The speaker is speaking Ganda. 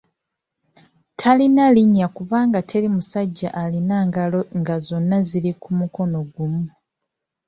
Talina linnya kubanga teri musajja alina ngalo nga zonna ziri ku mukono gumu.